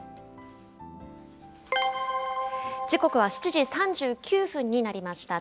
７時３９分になりました。